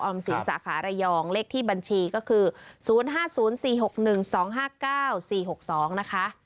สินสาขาระยองเลขที่บัญชีก็คือ๐๕๐๔๖๑๒๕๙๔๖๒นะคะ